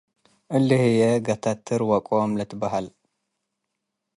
እሊ ህዬ “ጋተትር-ዎቆም' ልትበሀል ።